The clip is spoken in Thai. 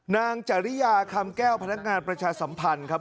จริยาคำแก้วพนักงานประชาสัมพันธ์ครับ